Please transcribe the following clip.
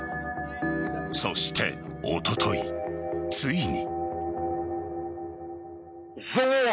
そしておととい、ついに。